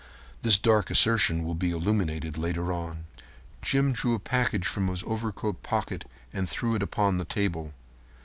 This dark assertion will be illuminated later on. Jim drew a package from his overcoat pocket and threw it upon the table.